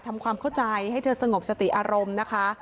ทำความเข้าใจให้เธอสงบสติอารมณ์นะคะ